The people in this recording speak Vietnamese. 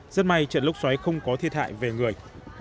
rất may trận lốc xoáy không có thiệt hại về người